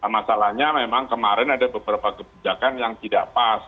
masalahnya memang kemarin ada beberapa kebijakan yang tidak pas